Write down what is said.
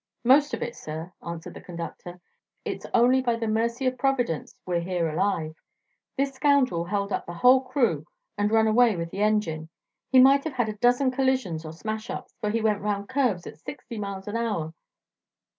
"Most of it, sir," answered the conductor. "It's only by the mercy of Providence we're here alive. This scoundrel held up the whole crew and ran away with the engine. We might have had a dozen collisions or smash ups, for he went around curves at sixty miles an hour.